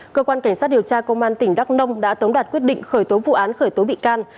cơ quan cảnh sát điều tra công an tỉnh đắk nông đã tống đạt quyết định khởi tố vụ án khởi tố bị can